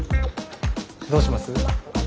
どうします？